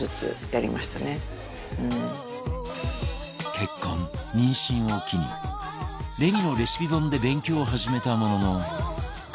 結婚妊娠を機にレミのレシピ本で勉強を始めたものの